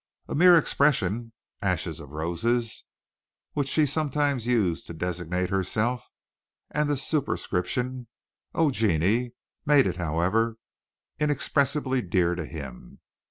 A mere expression, "Ashes of Roses," which she sometimes used to designate herself, and the superscription, "Oh, Genie!" made it, however, inexpressibly dear to him.